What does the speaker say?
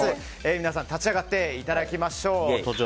皆さん立ち上がっていただきましょう。